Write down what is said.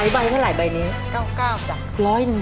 ไม่ขายไม่ขาย